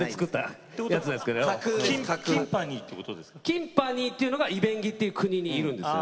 Ｋｉｎｎｐａｎｎｙっていうのがイベンギっていう国にいるんですよ。